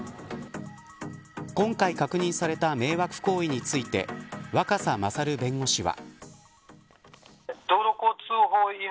今回確認された迷惑行為について若狭勝弁護士は。